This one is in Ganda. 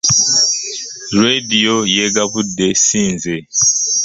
Leediyo y'egabudde si nze.